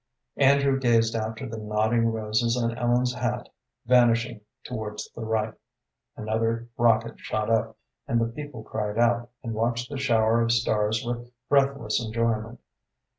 Andrew gazed after the nodding roses on Ellen's hat vanishing towards the right. Another rocket shot up, and the people cried out, and watched the shower of stars with breathless enjoyment.